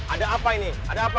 ada apa ini ada apa